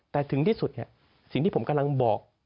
แต่ถึงที่สุดสิ่งที่ผมกำลังบอก